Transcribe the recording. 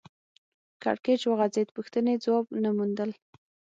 کړکېچ وغځېد پوښتنې ځواب نه موندل